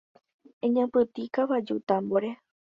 Eñapytĩ kavaju támbore.